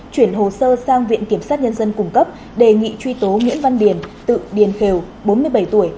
chuyển hồ sơ sang viện kiểm sát nhân dân cung cấp đề nghị truy tố nguyễn văn điền tự điền khèo bốn mươi bảy tuổi